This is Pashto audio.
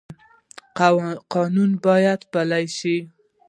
قانون باید پلی شي